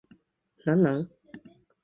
何なん